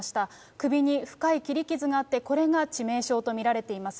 首に深い切り傷があって、これが致命傷と見られています。